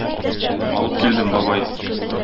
Алып килдем, бабай.